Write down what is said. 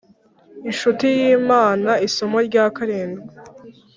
Incuti yImana isomo rya karindwi